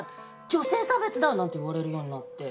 「女性差別だ！」なんて言われるようになって。